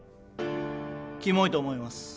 キモいと思います。